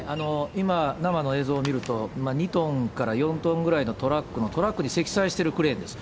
今、生の映像を見ると、２トンから４トンぐらいのトラック、トラックに積載しているクレーンです。